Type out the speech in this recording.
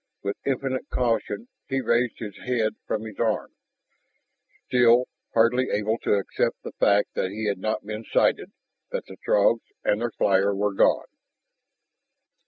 With infinite caution he raised his head from his arm, still hardly able to accept the fact that he had not been sighted, that the Throgs and their flyer were gone.